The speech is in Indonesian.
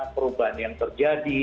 perubahan yang terjadi